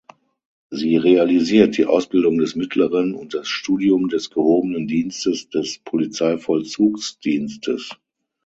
Sie realisiert die Ausbildung des mittleren und das Studium des gehobenen Dienstes des Polizeivollzugsdienstes.